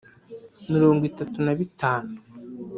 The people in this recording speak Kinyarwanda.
mirongo itanu na bitanu